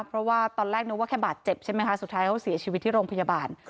เพราะว่าตอนแรกนึกว่าแค่บาดเจ็บใช่ไหมคะสุดท้ายเขาเสียชีวิตที่โรงพยาบาล